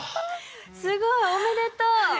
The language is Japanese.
すごいおめでとう。